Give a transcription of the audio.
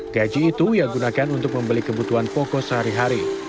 gaji itu ia gunakan untuk membeli kebutuhan pokok sehari hari